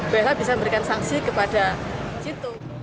biasanya bisa memberikan sanksi kepada cito